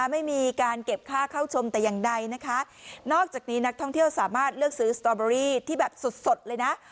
ไม่มีการเก็บค่าเข้าชมแต่อย่างใดนะคะนอกจากนี้นักท่องเที่ยวสามารถเลือกซื้อสตอเบอรี่ที่แบบสดสดเลยนะ